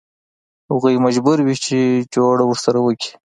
هغه مجبور وي چې جوړه ورسره وکړي.